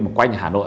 mà quanh hà nội